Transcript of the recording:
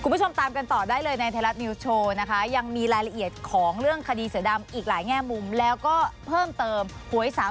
ไม่นานแต่ถ้าสำนวนขึ้นสู่อัยการแล้วเนี่ย